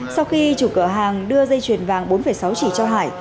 sau khi chủ cửa hàng đưa dây chuyền vàng bốn sáu chỉ cho hải